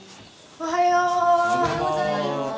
おはようございます。